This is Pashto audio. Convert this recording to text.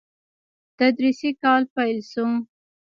تدريسي کال پيل شو.